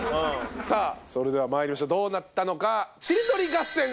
さぁそれではまいりましょうどうなったのか。